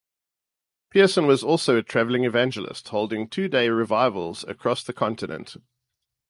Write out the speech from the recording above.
Pearson was also a traveling evangelist, holding two-day revivals across the continent.